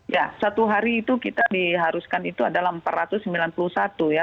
ya satu hari itu kita diharuskan itu adalah empat ratus sembilan puluh satu ya